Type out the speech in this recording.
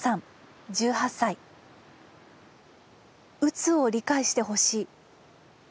「鬱を理解してほしい。